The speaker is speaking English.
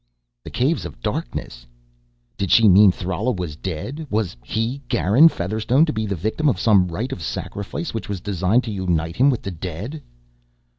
"The Caves of Darkness!" Did she mean Thrala was dead? Was he, Garin Featherstone, to be the victim of some rite of sacrifice which was designed to unite him with the dead?